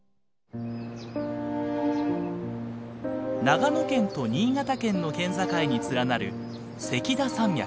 長野県と新潟県の県境に連なる関田山脈。